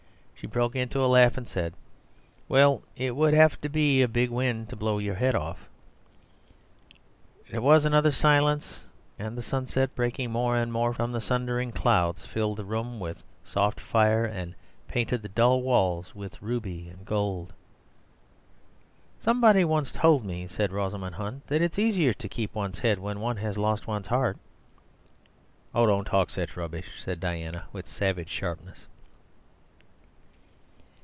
She broke into a laugh and said, "Well, it would have to be a big wind to blow your head off." There was another silence; and the sunset breaking more and more from the sundering clouds, filled the room with soft fire and painted the dull walls with ruby and gold. "Somebody once told me," said Rosamund Hunt, "that it's easier to keep one's head when one has lost one's heart." "Oh, don't talk such rubbish," said Diana with savage sharpness.